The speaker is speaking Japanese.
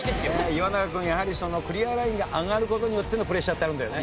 岩永君やはりそのクリアラインが上がる事によってのプレッシャーってあるんだよね？